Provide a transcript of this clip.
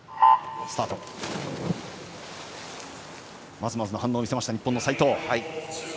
まずまずの反応を見せた日本の齋藤。